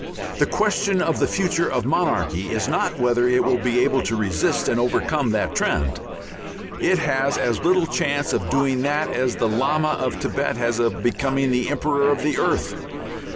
The question of the future of monarchy is not whether it will be able to resist and overcome that trend; it has as little chance of doing that as the Lama of Thibet has of becoming Emperor of the Earth.